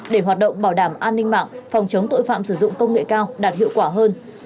để hoạt động bảo đảm an ninh mạng phòng chống tội phạm sử dụng công nghệ cao đạt hiệu quả hơn